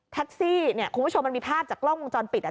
แท็กซี่เนี่ยคุณผู้ชมมันมีภาพจากกล้องวงจรปิดอ่ะ